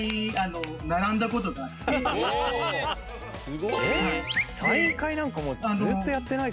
すごい。